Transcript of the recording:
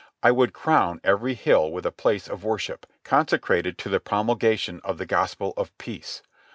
I would crown every hill with a place of worship, consecrated to the promulgation of the Gospel of Peace.